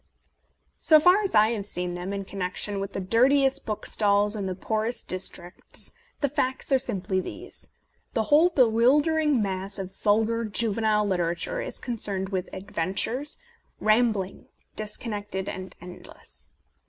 So far as I have seen them, in connection with the dirtiest book stalls in the poorest districts, the facts are simply these : The whole bewildering mass of vulgar juvenile literature is concerned with adventures, rambling, disconnected and endless.